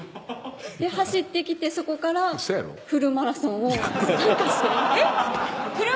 走ってきてそこからフルマラソンを参加してえっ？